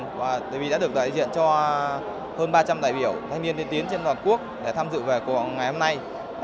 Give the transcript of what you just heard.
tôi rất là vui mừng vì đã được đại diện cho hơn ba trăm linh đại biểu thanh niên tiên tiến trên đoàn quốc để tham dự về cuộc hội ngày hôm nay